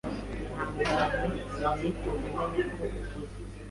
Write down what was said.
Ihangane, Sinigeze menya ko uhuze